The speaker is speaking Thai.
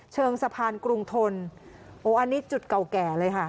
เชิงสะพานกรุงทนโอ้อันนี้จุดเก่าแก่เลยค่ะ